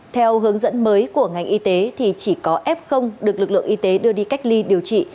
theo hướng dẫn mới của ngành y tế thì chỉ có f được lực lượng y tế đưa đi cách ly điều trị